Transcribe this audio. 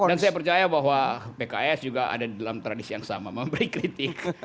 saya percaya bahwa pks juga ada di dalam tradisi yang sama memberi kritik